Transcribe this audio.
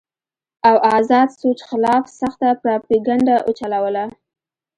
او ازاد سوچ خلاف سخته پراپېګنډه اوچلوله